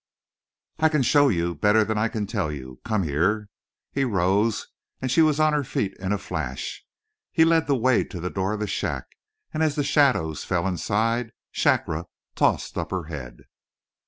"I can show you better than I can tell you! Come here!" He rose, and she was on her feet in a flash. He led the way to the door of the shack, and as the shadows fell inside, Shakra tossed up her head.